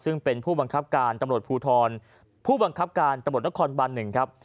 ซึ่งเป็นผู้บังคับการตำรวจภูทรผู้บังคับการตำรวจนครบัน๑ครับ